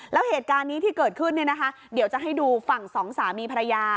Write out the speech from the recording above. แล้วเหตุการณ์นี้ที่เกิดขึ้นเนี่ยนะคะเดี๋ยวจะให้ดูฝั่งสองสามีภรรยา